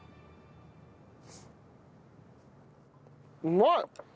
うまい！